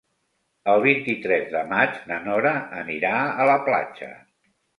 El vint-i-tres de maig na Nora anirà a la platja.